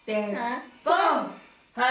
はい。